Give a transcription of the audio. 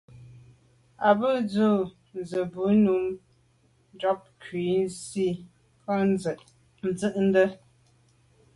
À bə́ á dʉ̀’ zə̄ bú nǔ yáp cû nsî rə̂ tsə̂də̀.